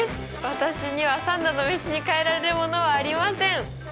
私には３度のメシに代えられるものはありません。